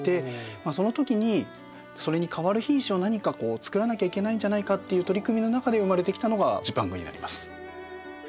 そのときそれにかわる品種を何かこうつくらなきゃいけないんじゃないかっていう取り組みの中で生まれてきたのがジパングになります。